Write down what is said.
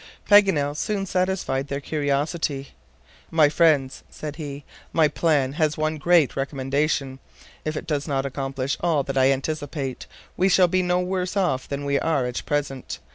Paganel soon satisfied their curiosity. "My friends," said he, "my plan has one great recommendation; if it does not accomplish all that I anticipate, we shall be no worse off than we are at present.